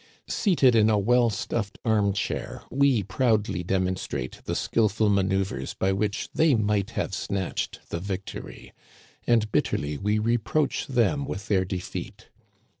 Seated in a well stuffed arm chair, we proudly demon strate the skillful manoeuvres by which they might have snatched the victory; and bitterly we reproach them with their defeat.